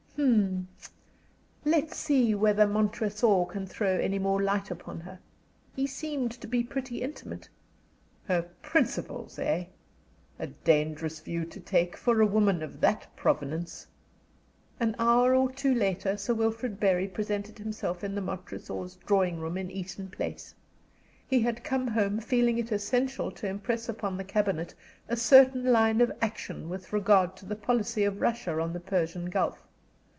Hm! Let's see whether Montresor can throw any more light upon her. He seemed to be pretty intimate. Her 'principles,' eh? A dangerous view to take, for a woman of that provenance." An hour or two later Sir Wilfrid Bury presented himself in the Montresors' drawing room in Eaton Place. He had come home feeling it essential to impress upon the cabinet a certain line of action with regard to the policy of Russia on the Persian Gulf.